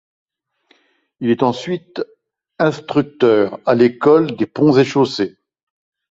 Il est ensuite instructeur à l'École des Ponts et chaussées.